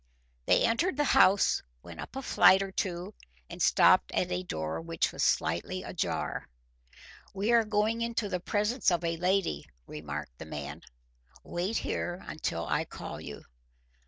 They entered the house, went up a flight or two, and stopped at a door which was slightly ajar. "We are going into the presence of a lady," remarked the man. "Wait here until I call you."